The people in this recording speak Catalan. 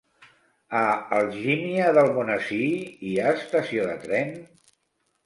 A Algímia d'Almonesir hi ha estació de tren?